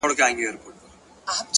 صبر د موخو د ساتنې ځواک دی!